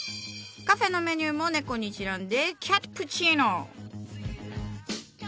カフェのメニューも猫にちなんで「キャットプチーノ」。